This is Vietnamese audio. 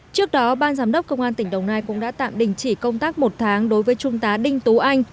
trước đó ban giám đốc công an tỉnh đồng nai cũng đã tạm đình chỉ công tác một tháng đối với trung tá đinh tú anh